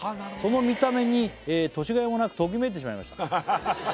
「その見た目に年がいもなくときめいてしまいました」